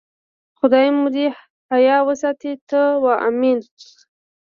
خدای مو دې حیا وساتي، ته وا آمین.